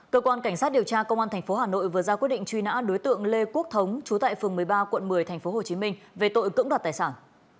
cơ quan cảnh sát điều tra công an tp hà nội vừa ra quyết định truy nã đối tượng lê quốc thống chú tại phường một mươi ba quận một mươi tp hcm về tội cưỡng đoạt tài sản